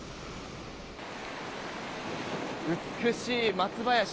美しい松林。